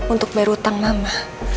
untuk bayar hutang mama